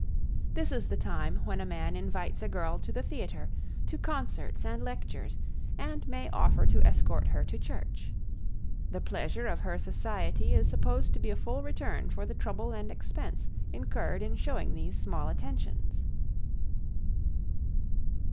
This is the time when a man invites a girl to the theater, to concerts and lectures, and may offer to escort her to church. The pleasure of her society is supposed to be a full return for the trouble and expense incurred in showing these small attentions.